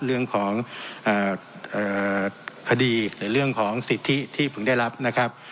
เรื่องของคดีหรือเรื่องของสิทธิที่เพิ่งได้รับนะครับ